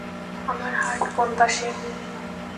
আমার হার্ট কোন পাশে?